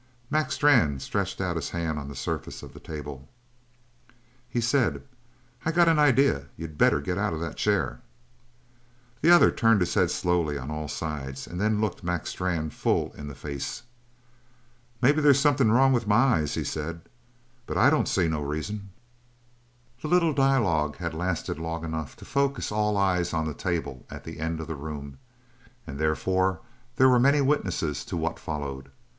Mac Strann stretched out his hand on the surface of the table. He said: "I got an idea you better get out of that chair." The other turned his head slowly on all sides and then looked Mac Strann full in the face. "Maybe they's something wrong with my eyes," he said, "but I don't see no reason." The little dialogue had lasted long enough to focus all eyes on the table at the end of the room, and therefore there were many witnesses to what followed.